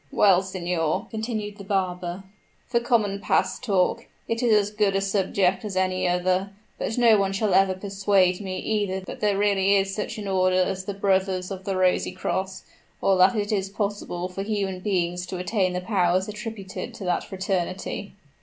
"Well, signor," continued the barber, "for common pass talk, it is as good a subject as any other; but no one shall ever persuade me either that there is really such an order as the Brothers of the Rosy Cross, or that it is possible for human beings to attain the powers attributed to that fraternity."